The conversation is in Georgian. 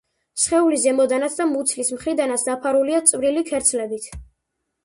სხეული ზემოდანაც და მუცლის მხრიდანაც დაფარულია წვრილი ქერცლებით.